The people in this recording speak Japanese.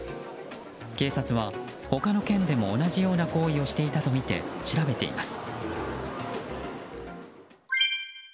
警察は他の県でも同じような行為をしていたとみて調べています。